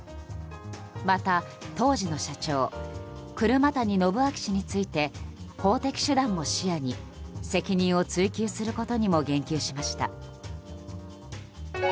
また、当時の社長車谷暢昭氏について法的手段も視野に責任を追及することにも言及しました。